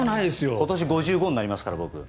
今年５５歳になりますから。